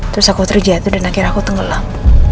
terus aku terjatuh dan akhirnya aku tenggelam